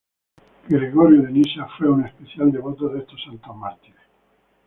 Gregorio de Nisa fue un especial devoto de estos santos mártires.